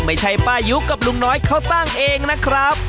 ไม่ใช่ป้ายุกับลุงน้อยเขาตั้งเองนะครับ